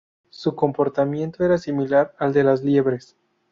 Su comportamiento era similar al de las liebres.